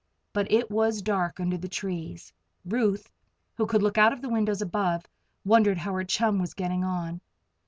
But it was dark under the trees. Ruth, who could look out of the windows above, wondered how her chum was getting on.